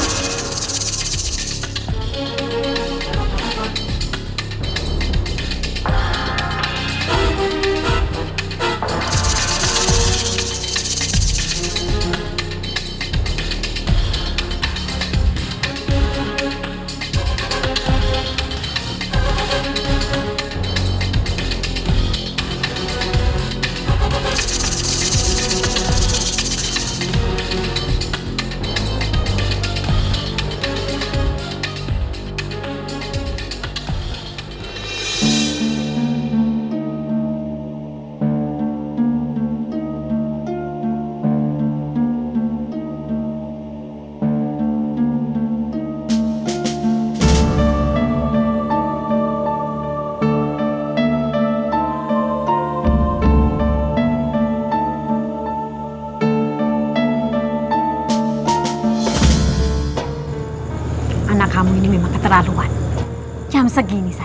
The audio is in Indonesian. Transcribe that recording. sebenarnya merupakan keadaannya